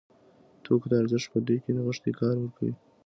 توکو ته ارزښت په دوی کې نغښتی کار ورکوي.